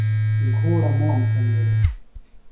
گُھوڑہ موݨ سمیلیۡ۔